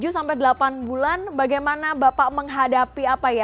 tujuh sampai delapan bulan bagaimana bapak menghadapi apa ya